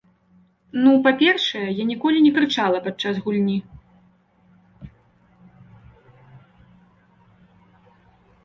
Ну, па-першае, я ніколі не крычала падчас гульні.